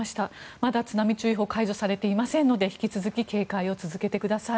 まだ津波注意報解除されていませんので警戒を続けてください。